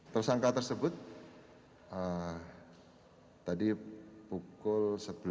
tersangka tersebut tadi pukul sebelas